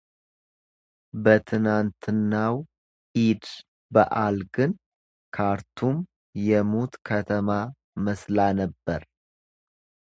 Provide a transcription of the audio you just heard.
በትናንትናው ዒድ በዓል ግን ካርቱም የሙት ከተማ መስላ ነበር።